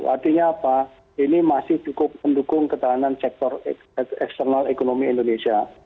artinya apa ini masih cukup mendukung ketahanan sektor eksternal ekonomi indonesia